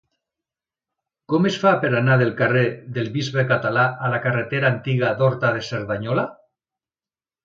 Com es fa per anar del carrer del Bisbe Català a la carretera Antiga d'Horta a Cerdanyola?